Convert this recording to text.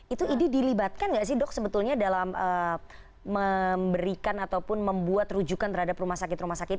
itu idi dilibatkan nggak sih dok sebetulnya dalam memberikan ataupun membuat rujukan terhadap rumah sakit rumah sakit